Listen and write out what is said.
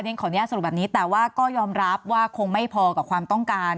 ขออนุญาตสรุปแบบนี้แต่ว่าก็ยอมรับว่าคงไม่พอกับความต้องการ